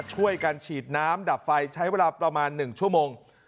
ช่วยกันฉีดน้ำดับไฟใช้เวลาประมาณ๑ชั่วโมง